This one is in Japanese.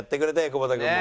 久保田君も。